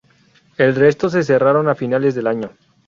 El resto se cerraron a finales del año.